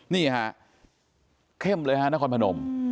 นี่ฮะเข้มเลยฮะนครพนม